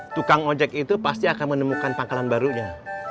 tukang ojek itu pasti akan menemukan pangkalan barunya